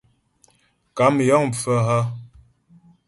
Kàm yəŋ pfə́ hə́ ?